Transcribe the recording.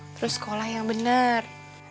terus sekolah yang bener